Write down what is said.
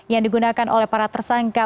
yang digunakan oleh para tersangka